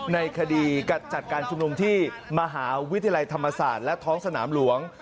ในคดีจัดการชุมนุมที่มหาวิทยาลัยธรรมศาสตร์และท้องสนามหลวง